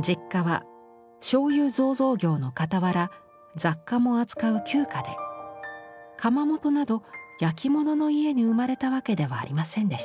実家はしょうゆ醸造業のかたわら雑貨も扱う旧家で窯元などやきものの家に生まれたわけではありませんでした。